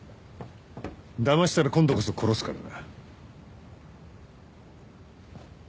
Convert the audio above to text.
だましたら今度こそ殺すからな。